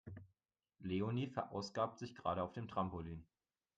Leonie verausgabt sich gerade auf dem Trampolin.